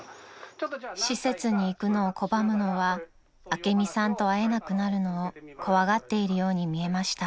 ［施設に行くのを拒むのは朱美さんと会えなくなるのを怖がっているように見えました］